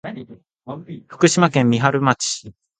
福島県三春町